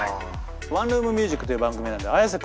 「ワンルーム☆ミュージック」という番組なんでＡｙａｓｅ